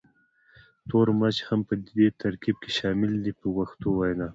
تور مرچ هم په دې ترکیب کې شامل دی په پښتو وینا.